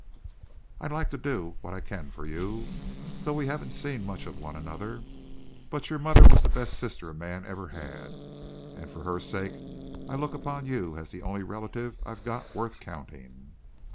I'd like to do what I can for you, though we haven't seen much of one another, but your mother was the best sister a man ever had, and for her sake I look upon you as the only relative I've got worth counting.'"